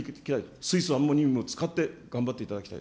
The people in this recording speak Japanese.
水素、アンモニウムを使って頑張っていただきたい。